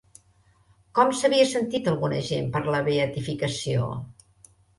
Com s'havia sentit alguna gent per la beatificació?